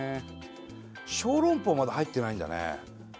小籠包まだ入ってないんだね。